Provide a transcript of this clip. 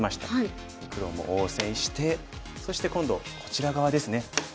黒も応戦してそして今度こちら側ですね